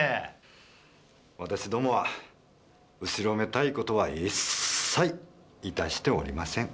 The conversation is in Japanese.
私どもは後ろめたい事は一切致しておりません。